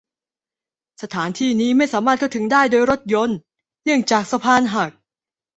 สถานที่นี้ไม่สามารถเข้าถึงได้โดยรถยนต์เนื่องจากสะพานหัก